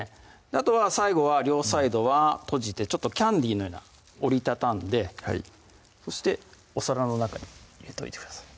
あとは最後は両サイドは閉じてちょっとキャンデーのような折り畳んでそしてお皿の中に入れといてください